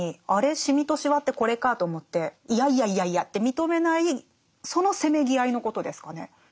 シミとシワってこれかと思っていやいやいやいやって認めないそのせめぎあいのことですかね？